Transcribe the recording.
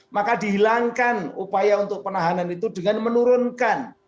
maka dihilangkan upaya untuk penahanan itu dengan menurunkan